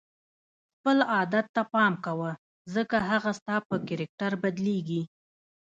خپل عادت ته پام کوه ځکه هغه ستا په کرکټر بدلیږي.